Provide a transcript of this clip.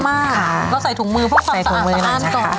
เราใส่ถุงมือพวกของเราใส่ถุงมือนั่นนะ